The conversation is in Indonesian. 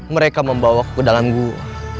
mereka membawaku ke dalam gua